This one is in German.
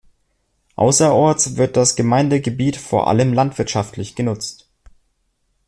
Außerorts wird das Gemeindegebiet vor allem landwirtschaftlich genutzt.